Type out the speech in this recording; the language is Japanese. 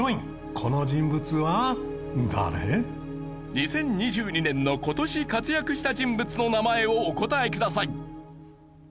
２０２２年の今年活躍した人物の名前をお答えください。